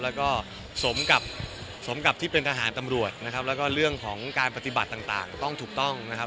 แล้วก็สมกับสมกับที่เป็นทหารตำรวจนะครับแล้วก็เรื่องของการปฏิบัติต่างต้องถูกต้องนะครับ